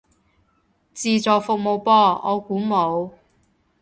自助服務噃，我估冇